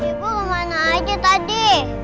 ibu kemana aja tadi